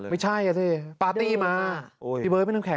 ไม่ใช่อะสิปาร์ตี้มา